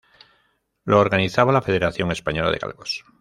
Lo organizaba la Federación Española de Galgos.